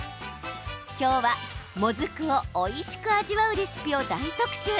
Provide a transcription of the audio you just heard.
きょうは、もずくをおいしく味わうレシピを大特集。